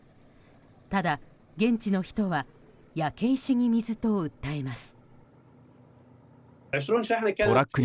ただ、現地の人は焼け石に水と訴えます。